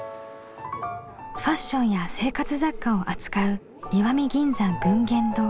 ファッションや生活雑貨を扱う石見銀山群言堂。